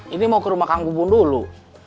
ini mau ke rumah kang gubun dulu